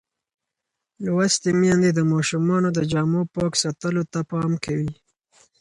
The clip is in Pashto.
لوستې میندې د ماشومانو د جامو پاک ساتلو ته پام کوي.